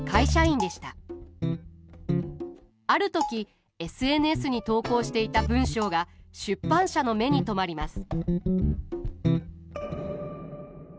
ある時ＳＮＳに投稿していた文章が出版社の目に留まります。